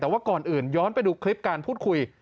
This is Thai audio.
แต่ว่าก่อนอื่นย้อนไปดูคลิปการพูดคุย